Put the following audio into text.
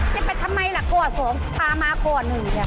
จะเป็นทำไมล่ะข้อ๒พามาข้อ๑เหมือนแบบ